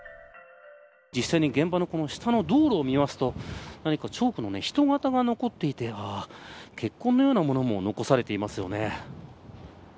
実際に現場の下の道路を見ますとチョークの人型が残っていて血痕のようなものも残されていますよね。